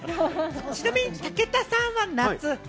ちなみに武田さんは夏派？